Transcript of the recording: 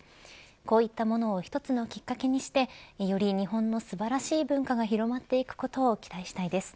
こういったもの一つのきっかけにして、より日本の素晴らしい文化が広まっていくことを期待したいです。